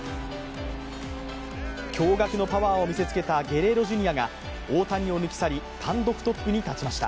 驚がくのパワーを見せつけたゲレーロジュニアが大谷を抜き去り、単独トップに立ちました。